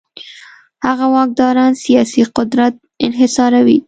هغه واکداران سیاسي قدرت انحصاروي.